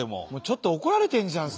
ちょっと怒られてるじゃん